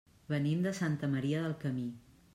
Venim de Santa Maria del Camí.